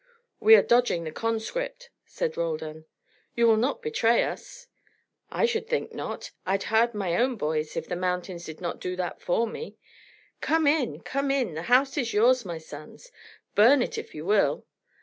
"We are dodging the conscript," said Roldan. "You will not betray us?" "I should think not. I'd hide my own boys, if the mountains did not do that for me. Come in, come in. The house is yours, my sons. Burn it if you will.